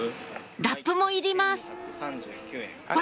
ラップもいりますほら！